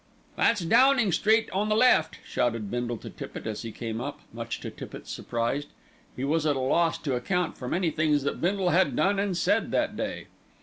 "That's Downing Street on the left," shouted Bindle to Tippitt as he came up, much to Tippitt's surprise. He was at a loss to account for many things that Bindle had done and said that day.